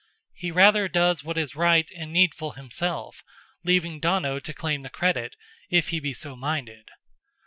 He rather does what is right and needful himself, leaving Donogh to claim the credit, if he be so minded.